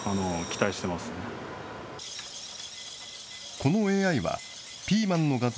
このＡＩは、ピーマンの画像